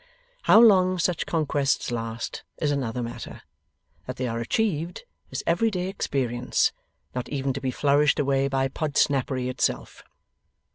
How long such conquests last, is another matter; that they are achieved, is every day experience, not even to be flourished away by Podsnappery itself.